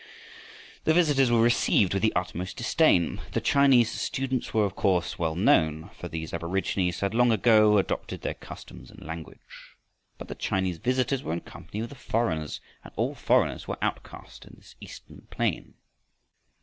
The visitors were received with the utmost disdain. The Chinese students were of course well known, for these aborigines had long ago adopted their customs and language. But the Chinese visitors were in company with the foreigners, and all foreigners were outcaste in this eastern plain.